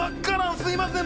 すいません。